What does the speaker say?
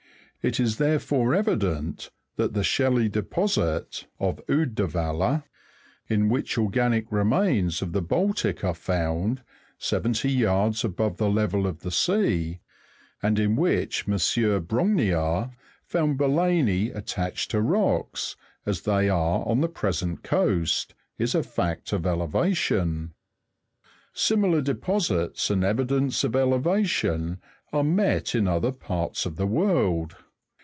It is therefore evi dent that the shelly deposit of Uddewalla, in which organic remains of the Baltic are found, seventy yards above the level of the sea, and in which M. Brongniart found balani attached to rocks, as they are on the present coast, is a fact of elevation. Similar deposits and evidence of elevation are met in other parts of the world.